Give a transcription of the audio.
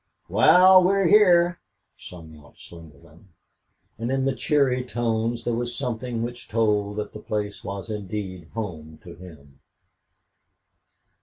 "Wal, we're hyar," sung out Slingerland, and in the cheery tones there was something which told that the place was indeed home to him.